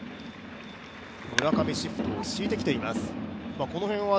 村上シフトを敷いてきていますから、この辺は